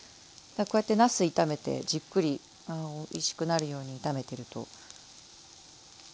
こうやってなす炒めてじっくりおいしくなるように炒めてると。